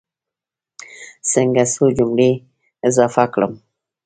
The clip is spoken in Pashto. څنګه څو جملې اضافه کړم.